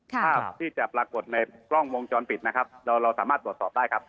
ภาพที่จะปรากฏในกล้องวงจรปิดนะครับเราเราสามารถตรวจสอบได้ครับ